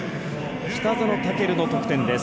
北園丈琉の得点です。